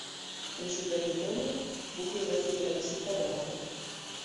En su dormitorio, Buffy recibe la visita de Ángel.